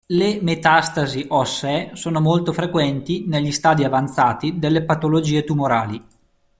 Le metastasi ossee sono molto frequenti negli stadi avanzati delle patologie tumorali.